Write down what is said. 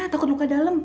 takut luka dalem